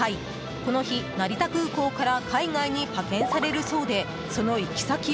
この日、成田空港から海外に派遣されるそうでその行き先は？